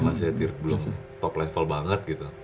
mas ya tier belum top level banget gitu